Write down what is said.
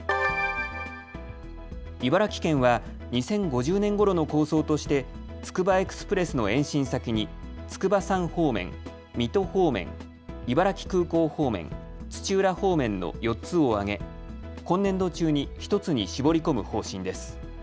茨城県は２０５０年ごろの構想としてつくばエクスプレスの延伸先に筑波山方面、水戸方面、茨城空港方面、土浦方面の４つを挙げ、今年度中に１つに絞り込む方針です。